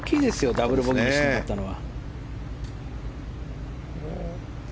ダブルボギーにしなかったのは。